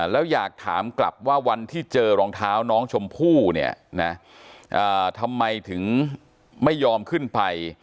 แล้วอยากถามกลับว่าวันที่เจอรองเท้าน้องชมพู่เนี่ยนะทำไมถึงไม่ยอมขึ้นไป